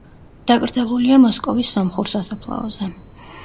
დაკრძალულია მოსკოვის სომხურ სასაფლაოზე.